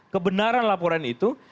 kebenaran laporan itu